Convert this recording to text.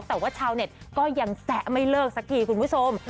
แต่ว่าชาวเน็ตก็ยังแซะไม่เลิกสักทีคุณผู้ชม